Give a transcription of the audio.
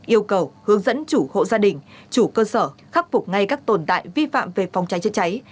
yêu cầu hướng dẫn chủ hộ gia đình chủ cơ sở khắc phục ngay các tồn tại vi phạm về phòng cháy chữa cháy